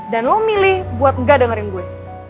dan lo milih buat gak dengerin gue